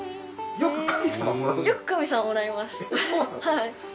はい。